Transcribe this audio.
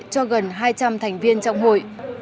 cho gần hai trăm linh thành viên trong hội